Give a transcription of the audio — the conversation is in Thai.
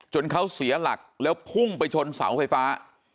เขาเสียหลักแล้วพุ่งไปชนเสาไฟฟ้า